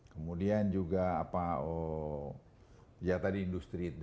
kemudian juga apa ya tadi industri